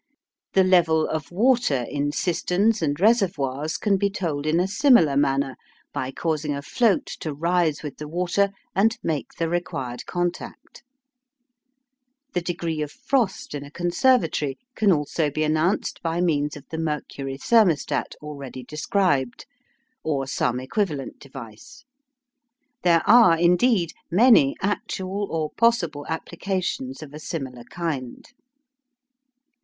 The level of water in cisterns and reservoirs, can be told in a similar manner by causing a float to rise with the water and make the required contact. The degree of frost in a conservatory can also be announced by means of the mercury "thermostat," already described, or some equivalent device. There are, indeed, many actual or possible applications of a similar kind.